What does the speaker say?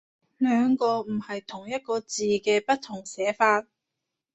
兩個唔係同一個字嘅不同寫法